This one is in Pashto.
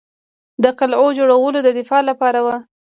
د قلعو جوړول د دفاع لپاره وو